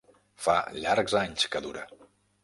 Fa llargs anys que dura.